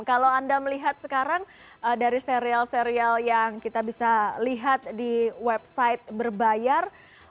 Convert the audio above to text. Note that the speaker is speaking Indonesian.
kalau anda melihat sekarang dari serial serial yang kita bisa lihat di website berbayar